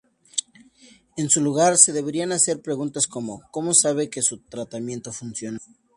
En su lugar se deberían hacer preguntas como: ¿Cómo sabe que su tratamiento funciona?